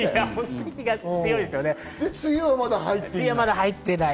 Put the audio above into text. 梅雨には、まだ入っていない？